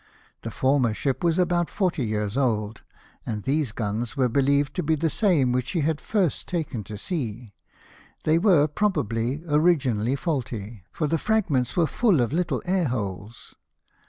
The former ship was about forty years old, and these guns were believed to be the same which she had first taken to sea; they were, probably, originally faulty, for the fragments were full of little air holes.